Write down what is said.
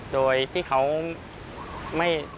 โดยที่เขาไม่